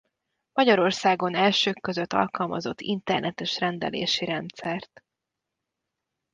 Magyarországon elsők között alkalmazott internetes rendelési rendszert.